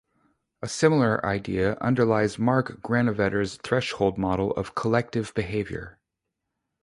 A similar idea underlies Mark Granovetter's threshold model of collective behavior.